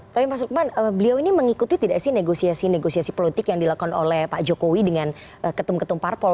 tapi mas lukman beliau ini mengikuti tidak sih negosiasi negosiasi politik yang dilakukan oleh pak jokowi dengan ketum ketum parpol